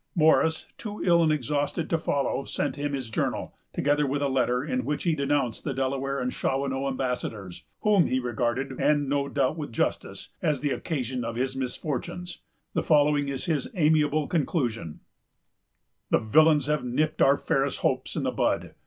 Morris, too ill and exhausted to follow, sent him his journal, together with a letter, in which he denounced the Delaware and Shawanoe ambassadors, whom he regarded, and no doubt with justice, as the occasion of his misfortunes. The following is his amiable conclusion:—— "The villains have nipped our fairest hopes in the bud.